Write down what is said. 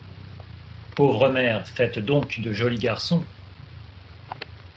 Pauvres mères, faites donc de jolis garçons!